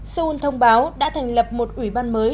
seoul thông báo đã thành lập một ủy ban mới